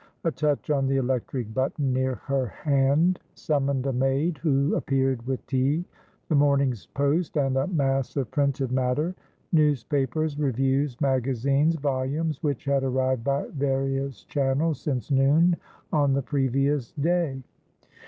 A touch on the electric button near her hand summoned a maid, who appeared with tea, the morning's post, and a mass of printed matter: newspapers, reviews, magazines, volumes, which had arrived by various channels since noon on the previous day.